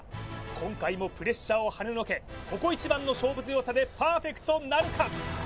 今回もプレッシャーをはねのけここ一番の勝負強さでパーフェクトなるか？